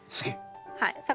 はい。